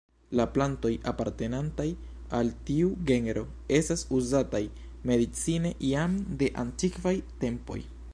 La plantoj apartenantaj al tiu genro estas uzataj medicine jam de antikvaj tempoj.